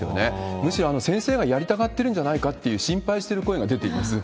むしろ先生がやりたがってるんじゃないかって心配してる声が出ています。